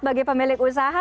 bagi pemilik usaha